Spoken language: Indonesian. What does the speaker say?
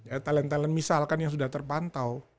ya talent talent misalkan yang sudah terpantau